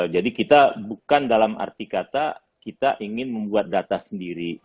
jadi kita bukan dalam arti kata kita ingin membuat data sendiri